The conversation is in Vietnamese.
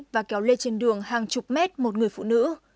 và kéo lê trên đường hàng chục mét một người phụ nữ